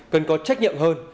cần có trách nhiệm hơn